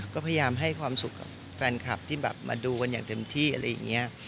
ก็พยายามให้ความสุขกับแฟนคลับที่แบบมาดูกันอย่างเต็มที่อะไรอย่างนี้